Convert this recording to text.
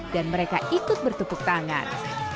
dan mereka ikut bertukuk tangan